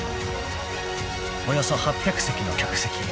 ［およそ８００席の客席］